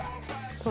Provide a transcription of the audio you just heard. そう。